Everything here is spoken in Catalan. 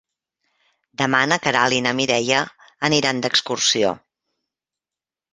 Demà na Queralt i na Mireia aniran d'excursió.